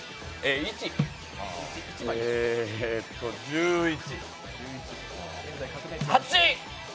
１１。